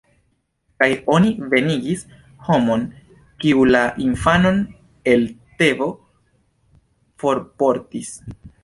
Kaj oni venigis homon, kiu la infanon el Tebo forportis.